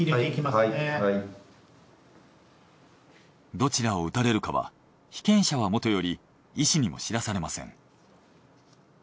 どちらを打たれるかは被験者はもとより医師にも知らされません。